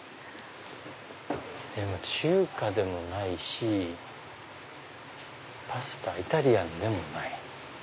でも中華でもないしパスタイタリアンでもない。